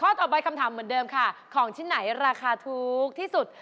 ต่อไปคำถามเหมือนเดิมค่ะของชิ้นไหนราคาถูกที่สุด